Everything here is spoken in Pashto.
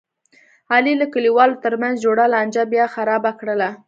علي د کلیوالو ترمنځ جوړه لانجه بیا خرابه کړله.